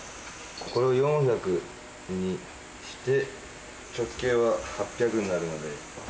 これを４００にして、直径が８００になるので。